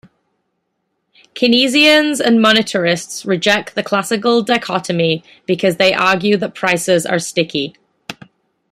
Keynesians and monetarists reject the classical dichotomy, because they argue that prices are sticky.